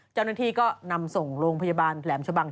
เจ้าหน้าที่ก็นำส่งโรงพยาบาลแหลมชะบัง